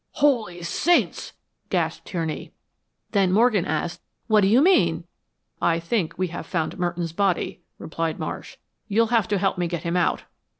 "Holy Saints!" gasped Tierney. Then Morgan asked, "What do you mean?" "I think we've found Merton's body," replied Marsh. "You'll have to help me get him out."